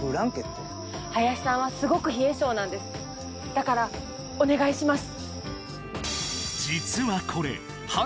だからお願いします